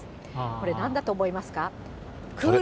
これ、なんだと思いますか。